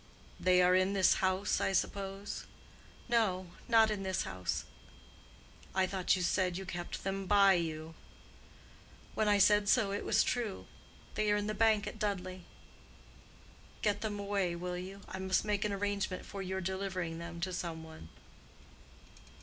"They are in this house, I suppose?" "No; not in this house." "I thought you said you kept them by you." "When I said so it was true. They are in the bank at Dudley." "Get them away, will you? I must make an arrangement for your delivering them to some one."